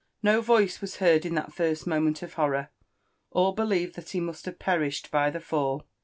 No voice was heard in that first moment of horror ; all believed that he must have perished by the fall